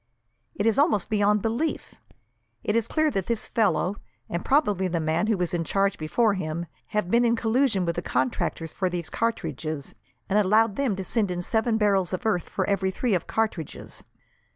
It is almost beyond belief! It is clear that this fellow, and probably the man who was in charge before him, have been in collusion with the contractors for these cartridges, and allowed them to send in seven barrels of earth for every three of cartridges.